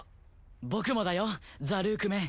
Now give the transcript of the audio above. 僕もだよザ・ルークメン。